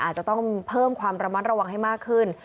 อาจจะต้องเพิ่มความระมัดระวังให้มากขึ้น